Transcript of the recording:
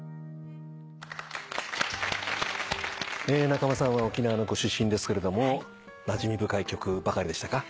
仲間さんは沖縄のご出身ですけれどもなじみ深い曲ばかりでしたか？